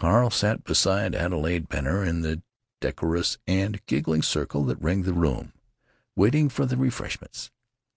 Carl sat beside Adelaide Benner in the decorous and giggling circle that ringed the room, waiting for the "refreshments."